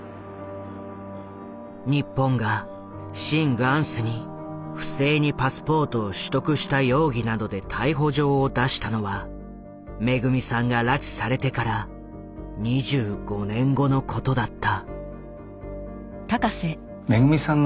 日本がシン・グァンスに不正にパスポートを取得した容疑などで逮捕状を出したのはめぐみさんが拉致されてから２５年後のことだった。